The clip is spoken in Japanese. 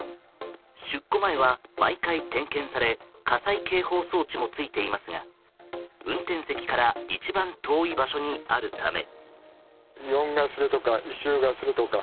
出庫前は毎回点検され火災警報装置もついていますが運転席から一番遠い場所にあるため。